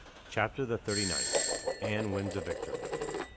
CHAPTER THE THIRTY NINTH. ANNE WINS A VICTORY.